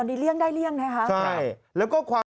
ตอนนี้เลี่ยงได้เลี่ยงนะครับครับใช่แล้วก็ความ